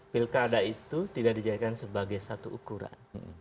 pilkada itu tidak dijadikan sebagai satu ukuran